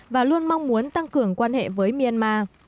và luôn mong muốn tăng cường quan hệ với myanmar